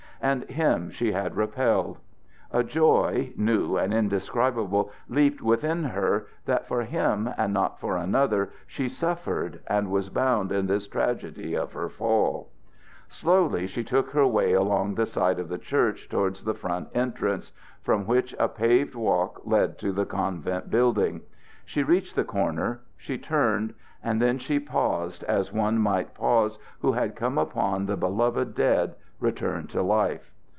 And him she had repelled. A joy, new and indescribable, leaped within her that for him and not for another she suffered and was bound in this tragedy of her fall. Slowly she took her way along the side of the church towards the front entrance, from which a paved walk led to the convent building. She reached the corner, she turned, and then she paused as one might pause who had come upon the beloved dead, returned to life.